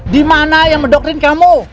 di mana yang mendoktrin kamu